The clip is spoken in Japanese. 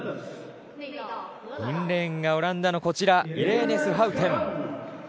インレーンがオランダのイレーネ・スハウテン。